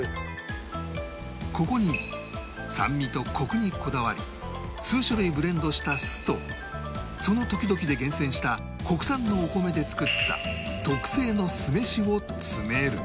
ここに酸味とコクにこだわり数種類ブレンドした酢とその時々で厳選した国産のお米で作った特製の酢飯を詰める